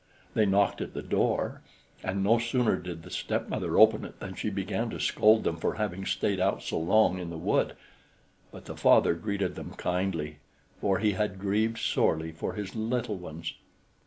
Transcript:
They knocked at the door, and no sooner did the stepmother open it than she began to scold them for having stayed out so long in the wood; but the father greeted them kindly, for he had grieved sorely for his little ones.